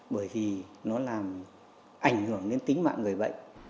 bởi vì nó làm ảnh hưởng đến tính mạng người bệnh